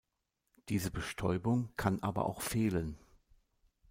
Diese Bestäubung kann aber auch fehlen.